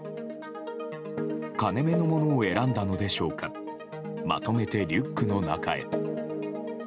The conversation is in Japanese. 金目のものを選んだのでしょうかまとめてリュックの中へ。